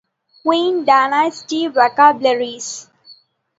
Qing dynasty vocabularies.